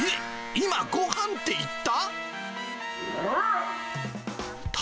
今、ごはんって言った？